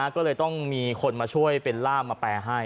ก็เลยต้องมีคนมาช่วยเป็นล่ามมาแปลให้